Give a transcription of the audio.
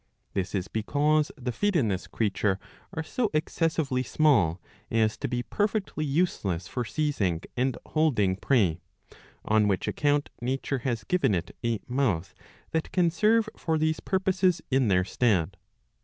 ^" This is because the feet in this creature are so excessively sijiall as to be perfectly useless for seizing and holding prey ;' on which account nature has given it a mouth that can serve for these purposes in their stead.